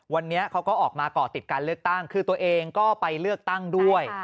วันนี้เขาก็ออกมาก่อติดการเลือกตั้งคือตัวเองก็ไปเลือกตั้งด้วย